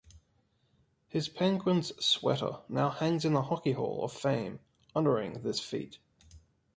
His Penguins sweater now hangs in the Hockey Hall of Fame honouring this feat.